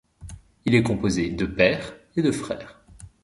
Il est composé de Pères et de Frères.